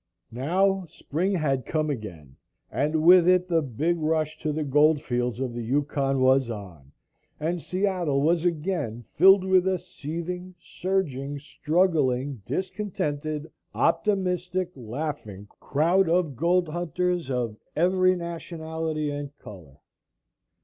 Now, spring had come again, and with it the big rush to the gold fields of the Yukon was on, and Seattle was again filled with a seething, surging, struggling, discontented, optimistic, laughing crowd of gold hunters of every nationality and color.